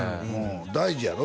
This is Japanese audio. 大事やろ？